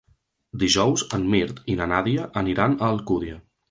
Dijous en Mirt i na Nàdia aniran a Alcúdia.